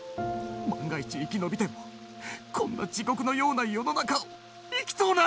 万が一生き延びてもこんな地獄のような世の中を生きとうない！